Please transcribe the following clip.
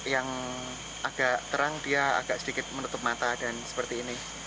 yang agak terang dia agak sedikit menutup mata dan seperti ini